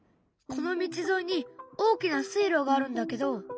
この道沿いに大きな水路があるんだけど。